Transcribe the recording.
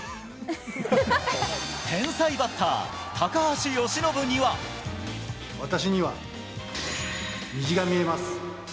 天才バッター、私には、虹が見えます！